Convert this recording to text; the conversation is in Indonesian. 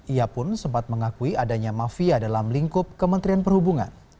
ia pun sempat mengakui adanya mafia dalam lingkup kementerian perhubungan